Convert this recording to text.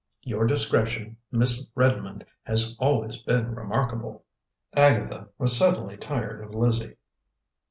Your discretion, Miss Redmond, has always been remarkable." Agatha was suddenly tired of Lizzie.